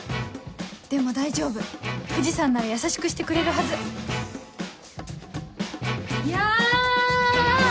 でも大丈夫藤さんなら優しくしてくれるはずや。